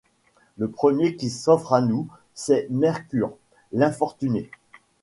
Le premier qui s’offre à nous, c’est Mercure ; l’infortuné !